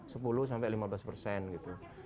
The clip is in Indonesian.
sepuluh sampai lima belas persen gitu